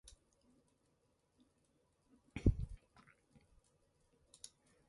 I ate egg.